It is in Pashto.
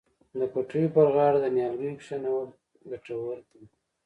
د پټیو پر غاړه نیالګي کینول ګټور دي.